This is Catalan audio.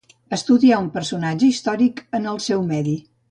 Estudiar un personatge històric en el seu medi.